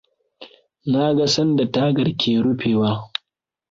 Na ga sanda tagar ke rufewa.